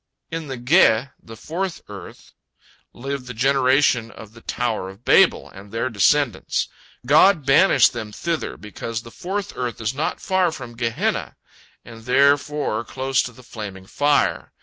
In the Ge, the fourth earth, live the generation of the Tower of Babel and their descendants. God banished them thither because the fourth earth is not far from Gehenna, and therefore close to the flaming fire.